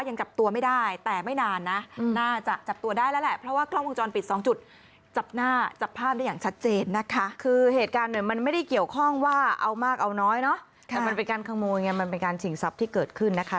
น้อยเนาะแต่มันเป็นการขโมยเนี่ยมันเป็นการฉิงทรัพย์ที่เกิดขึ้นนะคะ